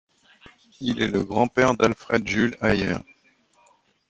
Il est le grand-père d'Alfred Jules Ayer.